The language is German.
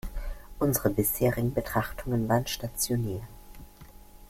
Unsere bisherigen Betrachtungen waren stationär.